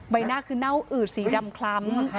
ใบหน้าคือเน่าอืดสีดำคล้ำ